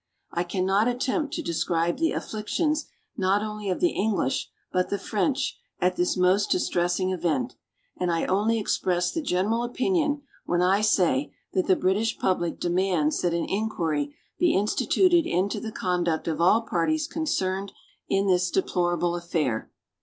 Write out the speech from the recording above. I cannot attempt to describe the afflictions not only of the English, but the French, at this most distressing event, and I only express the general opinion when I say that the British public demands that an inquiry be instituted into the conduct of all parties concerned in this deplorable affair.